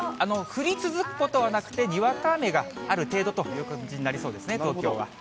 降り続くことはなくて、にわか雨がある程度という感じになりそうですね、東京は。